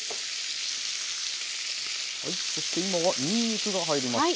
そして今はにんにくが入りました。